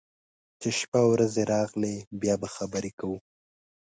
چې شپه او رځې راغلې، بیا به خبرې کوو.